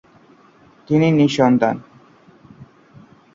তিনি নিঃসন্তান।